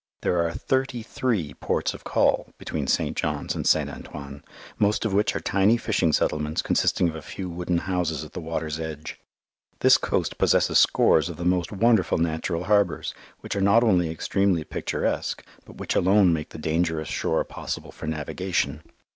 There are thirty three ports of call between St. John's and St. Antoine, most of which are tiny fishing settlements consisting of a few wooden houses at the water's edge. This coast possesses scores of the most wonderful natural harbours, which are not only extremely picturesque, but which alone make the dangerous shore possible for navigation.